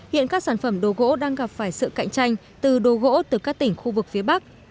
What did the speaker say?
hiện các sản phẩm đồ gỗ đang gặp phải sự cạnh tranh từ đồ gỗ từ các tỉnh khu vực phía bắc